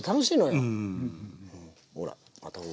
ほら。